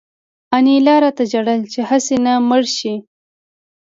انیلا راته ژړل چې هسې نه مړ شې